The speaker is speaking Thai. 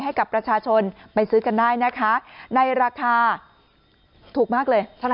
ให้กับประชาชนไปซื้อกันได้นะคะในราคาถูกมากเลยเท่านั้น